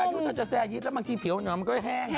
อายุเธอจะแซร์ยิตแล้วบางทีผิวเหนามันก็แห้ง